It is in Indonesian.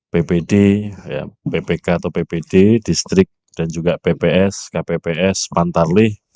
ppd ppk atau ppd distrik dan juga pps kpps pantarlih